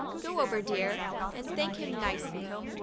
Go over, dear, and thank him nicely."